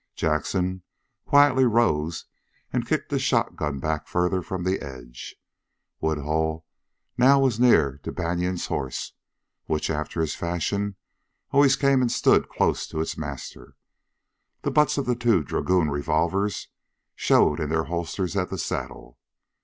Jackson quietly rose and kicked the shotgun back farther from the edge. Woodhull now was near to Banion's horse, which, after his fashion, always came and stood close to his master. The butts of the two dragoon revolvers showed in their holsters at the saddle.